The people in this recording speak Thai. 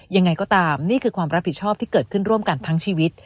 ยังไงก็ตามนี่คือความรับผิดชอบที่เกิดขึ้นร่วมกันทั้งชีวิต